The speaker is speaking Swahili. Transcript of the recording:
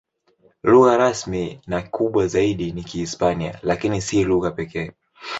Lugha rasmi na kubwa zaidi ni Kihispania, lakini si lugha pekee.